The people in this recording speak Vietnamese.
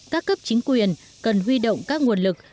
các cấp chính quyền cần huy động các nguồn lực